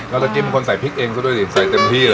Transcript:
แล้วก็กินคนใส่พริกเองซะด้วยดิใส่เต็มที่เลย